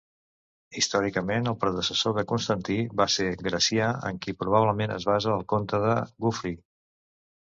Històricament, el predecessor de Constantí va ser Gracià, en qui probablement es basa el conte de Geoffrey.